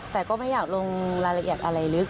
แต่ก็ไม่อยากลงรายละเอียดอะไรลึก